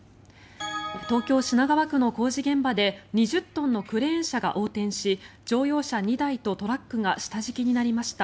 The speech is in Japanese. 東京・品川区の工事現場で２０トンのクレーン車が横転し乗用車２台とトラックが下敷きになりました。